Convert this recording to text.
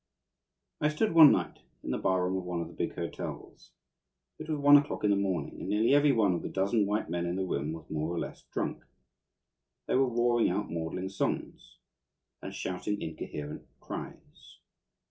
I stood one night in the barroom of one of the big hotels. It was one o'clock in the morning, and nearly every one of the dozen white men in the room was more or less drunk. They were roaring out maudlin songs, and shouting incoherent cries.